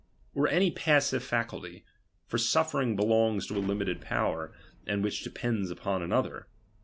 Or any passive J^^f^ cttlty ; for suffering belongs to a limited power, a.i:i(i which depends upon another.